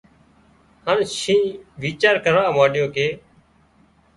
هانَ شينهن ويڇار ڪروا مانڏيو ڪي